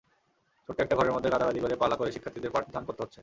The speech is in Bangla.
ছোট্ট একটা ঘরের মধ্যে গাদাগাদি করে পালা করে শিক্ষার্থীদের পাঠদান করতে হচ্ছে।